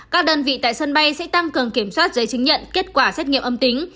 các đơn vị tại sân bay sẽ tăng cường kiểm soát giấy chứng nhận kết quả xét nghiệm âm tính